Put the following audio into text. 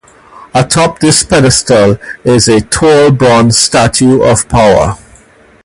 Atop this pedestal is an tall bronze statue of Power.